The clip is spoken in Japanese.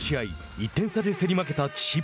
１点差で競り負けた千葉。